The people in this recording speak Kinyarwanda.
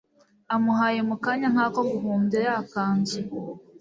amuhaye mukanya nkako guhumbya yakanzu